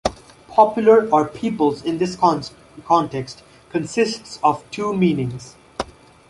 "Popular" or "people's" in this context consists of two meanings.